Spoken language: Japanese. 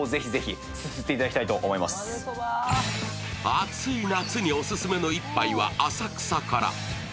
暑い夏にオススメの一杯は浅草から。